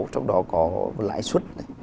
trong đó có lãi suất